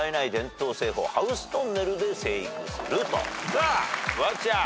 さあフワちゃん。